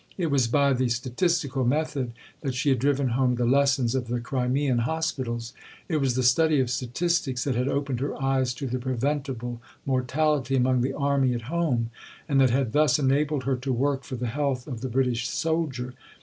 It was by the statistical method that she had driven home the lessons of the Crimean hospitals. It was the study of statistics that had opened her eyes to the preventable mortality among the Army at home, and that had thus enabled her to work for the health of the British soldier.